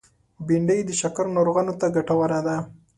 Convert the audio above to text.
بېنډۍ د شکر ناروغو ته ګټوره ده